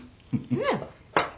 ねえ？